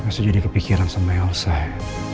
masih jadi kepikiran sama elsa ya